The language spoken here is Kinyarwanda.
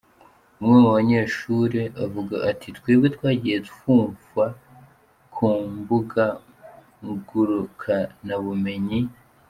Umwe mu banyeshure avuga ati: "Twebwe twagiye tuvyumva ku mbuga ngurukanabumenyi.